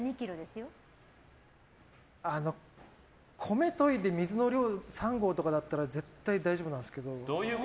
米をといで水の量３合とかだったら絶対に大丈夫なんですけど。